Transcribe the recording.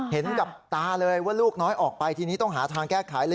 เห็นกับตาเลยว่าลูกน้อยออกไปทีนี้ต้องหาทางแก้ไขเลย